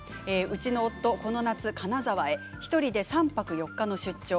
うちの夫、金沢へ１人で３泊４日の出張